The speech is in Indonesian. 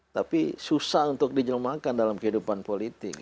tapi susah untuk dijemahkan dalam kehidupan politik